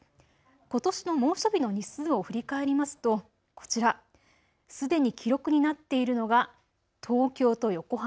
ことしの猛暑日の日数を振り返りますと、こちら、すでに記録になっているのが東京と横浜。